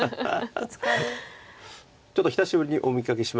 ちょっと久しぶりにお見かけしましたけど今回。